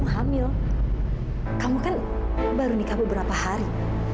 hai kamu kan baru nikah beberapa hari